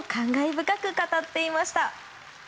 深く語っていました。